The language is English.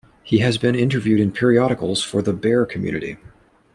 He has been interviewed in periodicals for the "Bear" community.